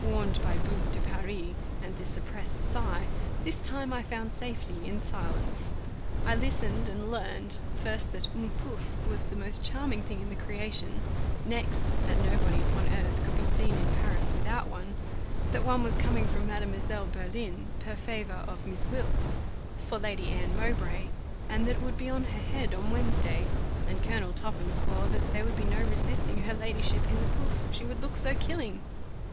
Warned by boue de Paris and the suppressed sigh, this time I found safety in silence. I listened, and learned, first that un pouf was the most charming thing in the creation; next, that nobody upon earth could be seen in Paris without one; that one was coming from Mademoiselle Berlin, per favour of Miss Wilkes, for Lady Anne Mowbray, and that it would be on her head on Wednesday; and Colonel Topham swore there would be no resisting her ladyship in the pouf, she would look so killing.